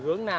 giống mình à